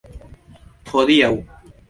hodiaŭ